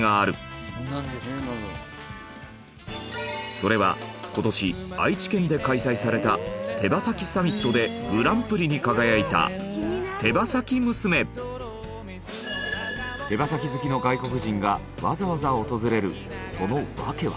それは今年愛知県で開催された手羽先サミットでグランプリに輝いた手羽先好きの外国人がわざわざ訪れるその訳は。